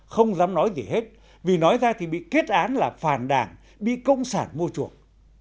không dám nói gì hết vì nói ra thì bị kết án là phàn đảng bị cộng sản mua chuộc